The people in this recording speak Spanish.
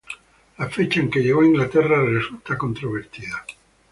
La fecha en que llegó a Inglaterra resulta controvertida.